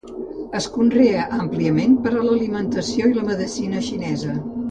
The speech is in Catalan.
Es conrea àmpliament per a l'alimentació i la medicina xinesa.